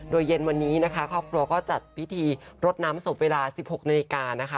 โดยเย็นวันนี้นะคะครอบครัวก็จัดพิธีรดน้ำศพเวลา๑๖นาฬิกานะคะ